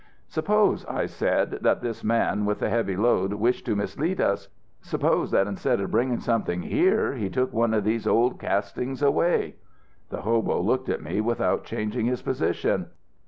"'Suppose,' I said, 'that this man with the heavy load wished to mislead us; suppose that instead of bringing something here he took one of these old castings away?' "The hobo looked at me without changing his position.